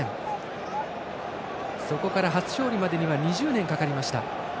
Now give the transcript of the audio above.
そこから初勝利までには２０年かかりました。